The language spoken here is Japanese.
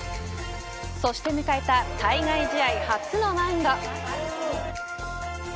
そして迎えた対外試合初のマウンド。